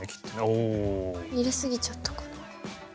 おお。入れすぎちゃったかな？